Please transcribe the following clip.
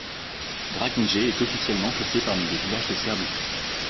Draginje est officiellement classé parmi les villages de Serbie.